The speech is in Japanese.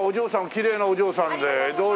きれいなお嬢さんで。